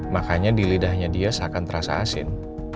makanya di lidahnya dia seakan terasa asin